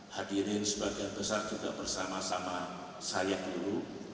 hadirin sebagian besar juga bersama sama saya dulu